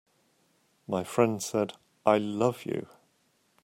My friend said: "I love you.